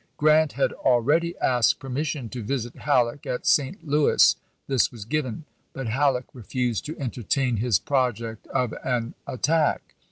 Grant had al ready asked permission to visit Halleck at St. Louis. This was given ; but Halleck refused to entertain his project of an attack.